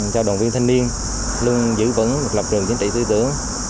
cho đoàn viên thanh niên luôn giữ vững lập trường chính trị tư tưởng